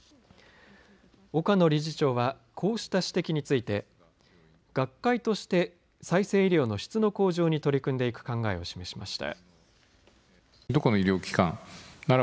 岡野理事長はこうした指摘について学会として再生医療の質の向上に取り組んでいく考えを示しました。